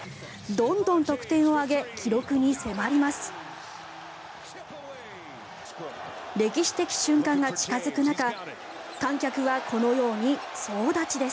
どんどん得点を挙げ記録に迫ります。